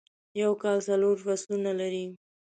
یوکال څلورفصلونه لري ..